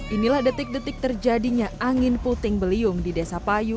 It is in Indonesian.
inilah detik detik terjadinya angin puting beliung di desa payu